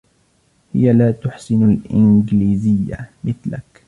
هي لا تحسن الإنجليزية مثلك.